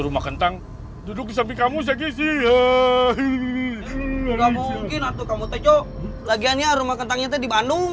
mungkin atau kamu tuh lagiannya rumah kentangnya tuh di bandung